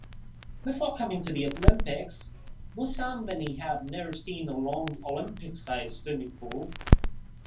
Before coming to the Olympics, Moussambani had never seen a long Olympic-size swimming pool.